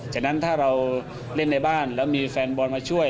ฉะนั้นถ้าเราเล่นในบ้านแล้วมีแฟนบอลมาช่วย